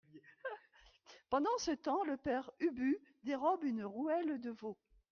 Pendant ce temps le Père Ubu dérobe une rouelle de veau.